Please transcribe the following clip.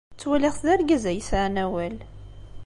Ttwaliɣ-t d argaz ay yesɛan awal.